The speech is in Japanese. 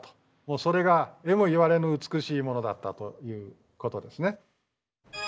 それがえもいわれぬ美しいものだったということですね。